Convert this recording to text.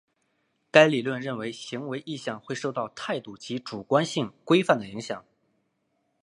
该理论认为行为意向会受到态度及主观性规范的影响。